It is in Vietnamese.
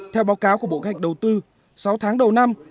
theo báo cáo của bộ gạch đầu tư sáu tháng đầu năm